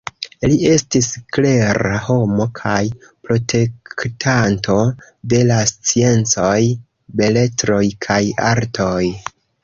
Li estis klera homo kaj protektanto de la sciencoj, beletroj kaj artoj.